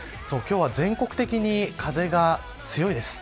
全国的に風が強いです。